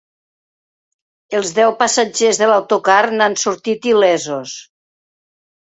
Els deu passatgers de l’autocar n’han sortit il·lesos.